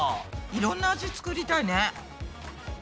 いろんな味作りたいね。